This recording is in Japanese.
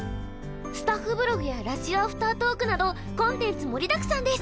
スタッフブログやラジオアフタートークなどコンテンツ盛りだくさんです！